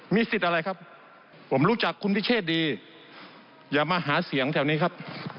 มีสิทธิ์อะไรครับผมรู้จักคุณพิเชษดีอย่ามาหาเสียงแถวนี้ครับ